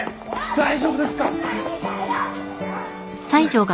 大丈夫ですか？